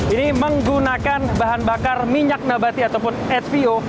ini menggunakan bahan bakar minyak nabati ataupun advo